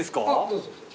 どうぞ。